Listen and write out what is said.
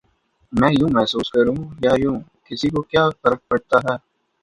میں یوں محسوس کروں یا یوں، کسی کو کیا فرق پڑتا ہے؟